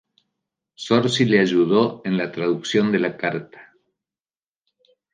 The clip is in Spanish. Zorzi le ayudó en la traducción de la carta.